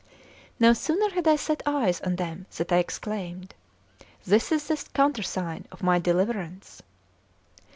No sooner had I set eyes on them than I exclaimed: "This is the countersign of my deliverance!"